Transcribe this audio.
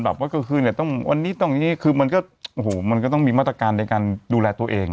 ว่ากลางคืนเนี่ยต้องวันนี้ต้องอย่างนี้คือมันก็โอ้โหมันก็ต้องมีมาตรการในการดูแลตัวเอง